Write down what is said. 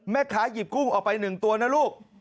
แม่ขาหยิบกุ้งออกไปหนึ่งตัวนะลูก